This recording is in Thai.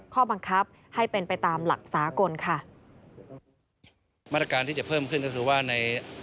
ข้อบังคับให้เป็นไปตามหลักษากลค่ะ